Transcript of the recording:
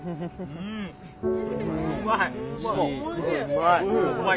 うまい。